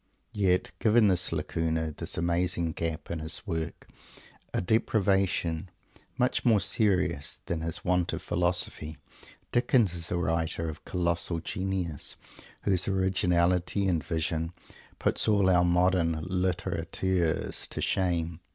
Yet, given this "lacuna," this amazing "gap" in his work, a deprivation much more serious than his want of "philosophy," Dickens is a writer of colossal genius, whose originality and vision puts all our modern "literateurs" to shame.